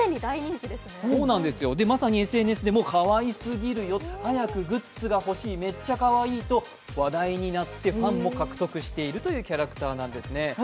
まさにＳＮＳでも、かわいすぎるよ、早くグッズが欲しい、めっちゃかわいいと話題になってファンも獲得しているというキャラクターなんですね。